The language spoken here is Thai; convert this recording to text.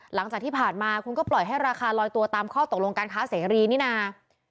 หลังจากที่ผ่านมาคุณก็ปล่อยให้ราคาลอยตัวตามข้อตกลงการค้าเสรีนี่นะ